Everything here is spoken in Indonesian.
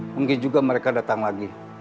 mungkin juga mereka datang lagi